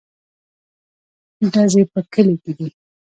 _ډزې په کلي کې دي.